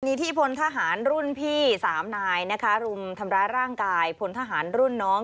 มีที่พลทหารรุ่นพี่๓นายนะคะรุมทำร้ายร่างกายพลทหารรุ่นน้อง